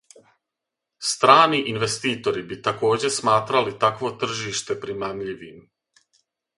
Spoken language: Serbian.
Страни инвеститори би такође сматрали такво тржиште примамљивим.